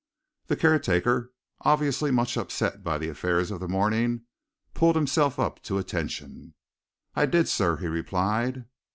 The caretaker, obviously much upset by the affairs of the morning, pulled himself up to attention. "I did, sir," he replied.